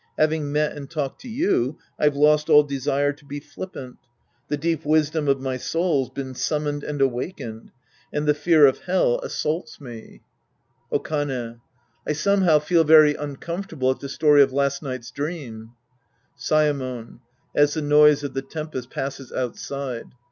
Having met and talked to you, I've lost all desire to be flippant. The deep wisdom of my soul's been summoned and awaken ed. And the fear of Hell assaults me. Sc. II The Priest and His Disciples 51 Okane. I somehow feel very uncomfortable at the story of last night's dream. Saemon (as the noise of the tempest passes outside).